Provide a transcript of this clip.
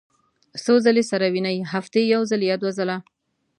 څو ځله سره وینئ؟ هفتې یوځل یا دوه ځله